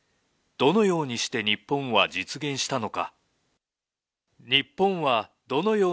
どのようにして日本が実現したのか？